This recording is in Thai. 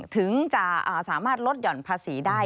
ถึงจะสามารถลดหย่อนภาษีได้